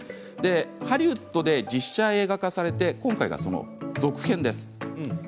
ハリウッドで実写映画化されて今回が続編です。